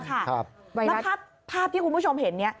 แล้วภาพที่คุณผู้ชมเห็นนี้